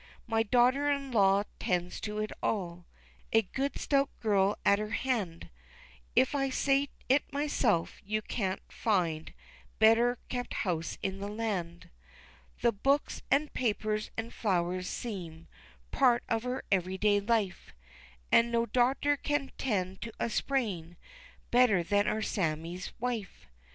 My daughter in law 'tends to it all A good stout girl at her hand If I say it myself, you can't find Better kept house in the land. The books, an' papers, an' flowers seem Part of her every day life, An' no doctor can 'tend to a sprain Better than our Sammie's wife.